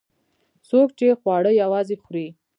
څوک چې خواړه یوازې خوري.